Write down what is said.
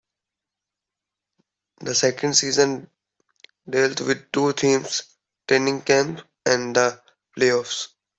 The second season dealt with two themes: training camp and the playoffs.